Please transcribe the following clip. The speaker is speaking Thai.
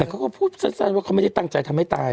แต่เขาก็พูดสั้นว่าเขาไม่ได้ตั้งใจทำให้ตาย